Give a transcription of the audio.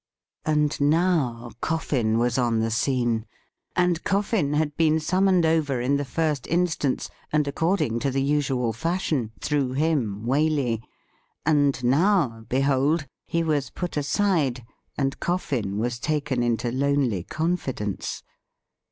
And now Coffin was on the scene, and Coffin had been summoned over in the first instance, and according to the usual fashion, through him, Waley ; and now, behold, he was put aside, and Coffin was taken into lonely con fidence.